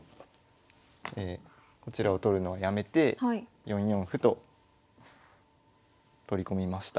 こちらを取るのをやめて４四歩と取り込みました。